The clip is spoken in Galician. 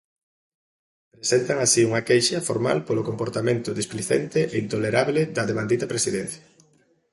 Presentan así unha queixa formal polo comportamento displicente e intolerable da devandita Presidencia.